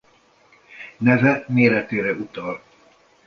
Neve méretére utal.